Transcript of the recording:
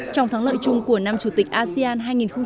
trong thắng lợi chung của năm chủ tịch asean hai nghìn hai mươi